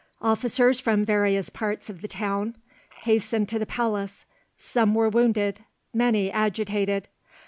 Officers from various parts of the town hastened to the palace; some were wounded, many agitated.